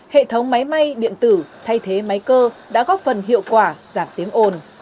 hệ thống máy may điện tử thay thế máy cơ đã góp phần hiệu quả giảm tiếng ồn